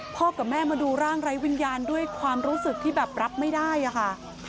กับแม่มาดูร่างไร้วิญญาณด้วยความรู้สึกที่แบบรับไม่ได้อะค่ะ